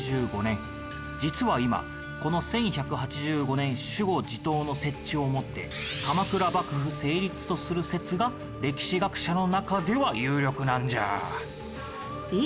実は今この１１８５年守護・地頭の設置をもって鎌倉幕府成立とする説が歴史学者の中では有力なんじゃ。